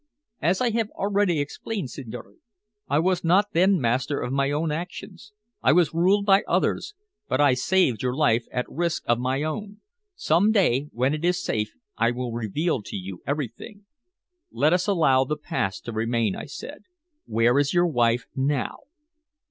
"As I have already explained, signore, I was not then master of my own actions. I was ruled by others. But I saved your life at risk of my own. Some day, when it is safe, I will reveal to you everything." "Let us allow the past to remain," I said. "Where is your wife now?"